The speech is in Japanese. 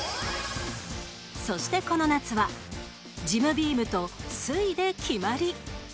そして、この夏はジムビームと翠で決まり！